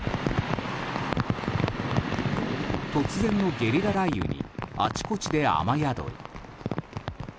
突然のゲリラ雷雨にあちこちで雨宿り。